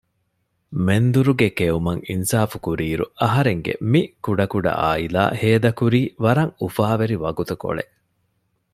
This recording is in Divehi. މެންދުރުގެ ކެއުމަށް އިންސާފުކުރިއިރު އަހަރެންގެ މި ކުޑަކުޑަ އާއިލާ ހޭދަކުރީ ވަރަށް އުފާވެރި ވަގުތުކޮޅެއް